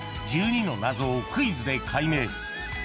１２の謎をクイズで解明。